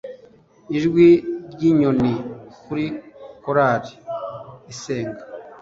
ijwi ryinyoni kuri korali isenga.